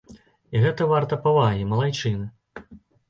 І гэта варта павагі, малайчына.